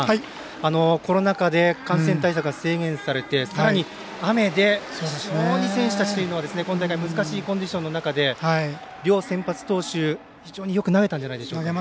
コロナ禍で感染対策で制限されてさらに、雨で非常に選手たちは今大会、難しいコンディションの中で両先発投手、非常によく投げたんじゃないでしょうか。